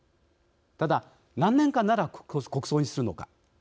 ただ、何年間なら国葬にするのか。